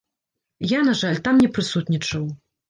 Я, на жаль, там не прысутнічаў.